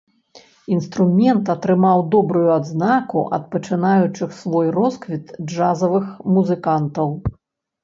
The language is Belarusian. Інструмент атрымаў добрую адзнаку ад пачынаючых свой росквіт джазавых музыкантаў.